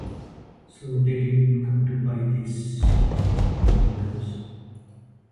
So they didn't come to buy his hamburgers.